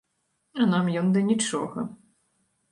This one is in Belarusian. А нам ён да нічога.